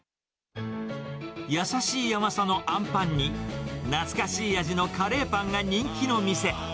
優しい甘さのあんパンに、懐かしい味のカレーパンが人気の店。